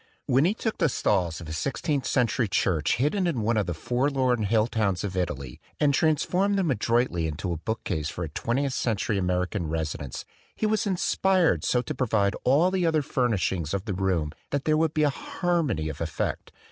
When he took the stalls of a sixteenth century church hidden in one of the forlorn hill towns of Italy and transformed them adroitly into a bookcase for a twentieth century American residence, he was inspired so to provide all the other furnish ings of the room that there would be a harmony of effect.